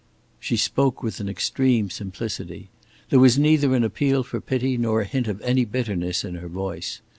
She spoke with an extreme simplicity. There was neither an appeal for pity nor a hint of any bitterness in her voice.